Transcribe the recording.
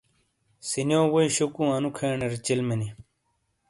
ِسنیو ووئی شوکوں انو کھینر چلمی نی۔